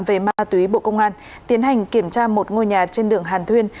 về ma túy bộ công an tiến hành kiểm tra một ngôi nhà trên đường hàn thuyên